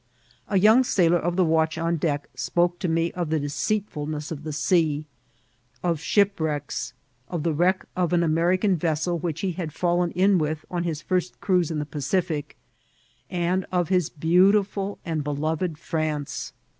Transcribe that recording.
A young sailor of the watch on deck POftT OF ACAJVTLA. 819 spoke to me of the deceitfulneas of the sea^ of ship wrecks, of the wreck of an American vessel which he had fallen in with on his first cruise in the Pacific, and of his beautiful and beloved France.